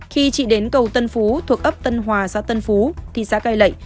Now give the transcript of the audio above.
khi chị đến cầu tân phú thuộc ấp tân hòa xã tân phú thị xã cai lậy